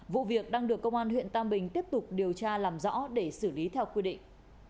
vụ việc đang được công an huyện tam bình tiếp tục điều tra làm rõ để xử lý theo quy định